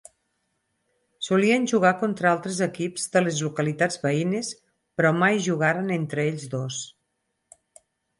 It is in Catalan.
Solien jugar contra altres equips de les localitats veïnes però mai jugaren entre ells dos.